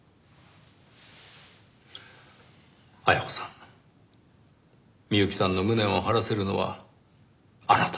絢子さん美由紀さんの無念を晴らせるのはあなただけです。